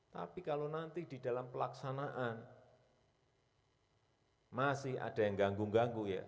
tapi kalau nanti di dalam pelaksanaan masih ada yang ganggu ganggu ya